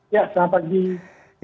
ya selamat pagi